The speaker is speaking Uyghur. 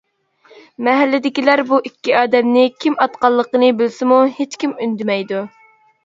مەھەللىدىكىلەر بۇ ئىككى ئادەمنى كىم ئاتقانلىقىنى بىلسىمۇ ھېچكىم ئۈندىمەيدۇ.